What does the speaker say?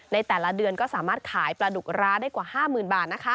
ในแต่ละเดือนก็สามารถขายปลาดุกร้าได้กว่า๕๐๐๐บาท